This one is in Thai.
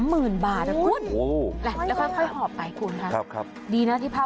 หมื่นบาทนะคุณโอ้โหแล้วค่อยค่อยหอบไปคุณครับครับครับดีน่ะที่ผ้า